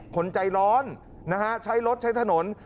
คนใจร้อนนะฮะใช้รถใช้ถนน